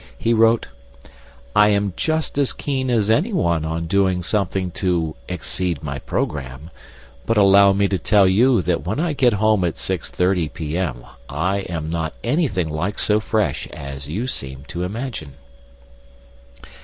He wrote: "I am just as keen as anyone on doing something to 'exceed my programme,' but allow me to tell you that when I get home at six thirty p.m. I am not anything like so fresh as you seem to imagine."